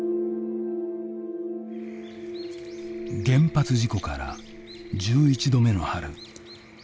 原発事故から１１度目の春。